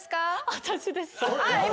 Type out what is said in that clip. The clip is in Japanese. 私です。